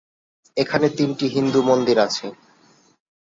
এখানে তিনটি হিন্দু মন্দির আছে।